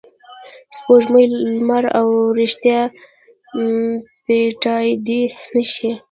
سپوږمۍ، لمر او ریښتیا پټېدای نه شي.